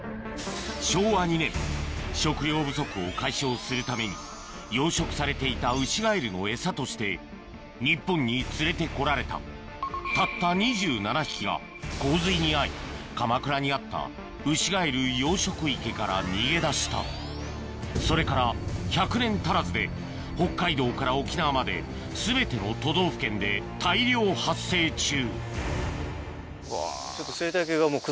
昭和２年食料不足を解消するために養殖されていたウシガエルのエサとして日本に連れて来られたたった２７匹が洪水に遭い鎌倉にあったウシガエル養殖池から逃げ出したそれから１００年足らずで北海道から沖縄まで全ての都道府県で大量発生中うわ。